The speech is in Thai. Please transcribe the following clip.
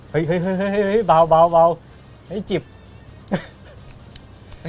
เฮ้ยเฮ้ยเฮ้ยเฮ้ยเผาเจ็บ